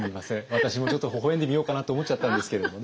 私もちょっとほほ笑んでみようかなと思っちゃったんですけれどもね。